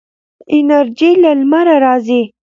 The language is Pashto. انرژي له لمره راځي.